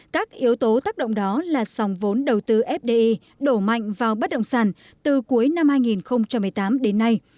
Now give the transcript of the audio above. các yếu tố tác động đó là sòng vốn đầu tư fdi đổ mạnh vào bất động sản từ cuối năm hai nghìn một mươi tám đến nay